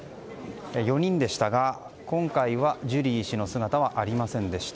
４人でしたが今回はジュリー氏の姿はありませんでした。